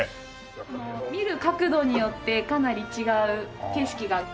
もう見る角度によってかなり違う景色が。